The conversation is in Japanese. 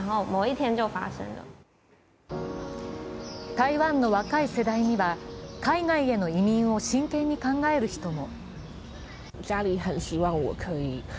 台湾の若い世代には、海外への移民を真剣に考える人も。